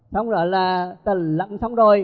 xong rồi là tần lặng xong rồi